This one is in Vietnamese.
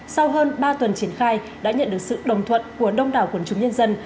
sau hơn ba tuần triển khai đã nhận được sự đồng thuận của đông đảo quần chúng nhân dân